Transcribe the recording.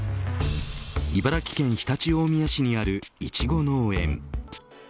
茨城県日立大宮市にあるイチゴ農園。